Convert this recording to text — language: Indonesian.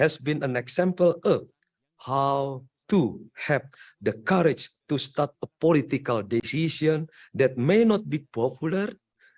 astana adalah contoh bagaimana memiliki keberhasilan untuk memulai pilihan politik yang tidak populer